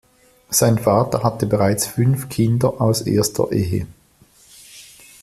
Sein Vater hatte bereits fünf Kinder aus erster Ehe.